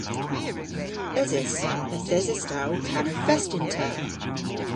Eses. Yth eses ta ow kana fest yn ta.